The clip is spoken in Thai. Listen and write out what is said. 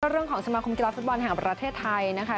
เรื่องของสมาคมกีฬาฟุตบอลแห่งประเทศไทยนะคะ